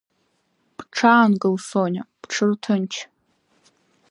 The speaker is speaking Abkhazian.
Бҽаанкыл, Сониа, бҽырҭынч.